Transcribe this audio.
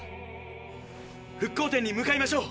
復航点に向かいましょう。